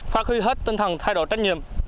phát huy hết tinh thần thay đổi trách nhiệm